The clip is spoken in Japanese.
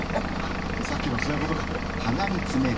さっきのそういうことか！